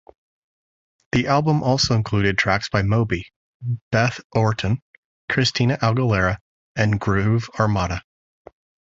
The album also included tracks by Moby, Beth Orton, Christina Aguilera, and Groove Armada.